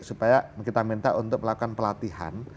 supaya kita minta untuk melakukan pelatihan